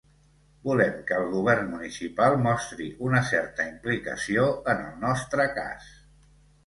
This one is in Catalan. Volem que el govern municipal mostri una certa implicació en el nostre cas.